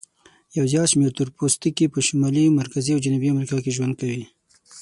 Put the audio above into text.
یو زیات شمیر تور پوستکي په شمالي، مرکزي او جنوبي امریکا کې ژوند کوي.